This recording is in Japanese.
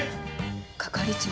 係長。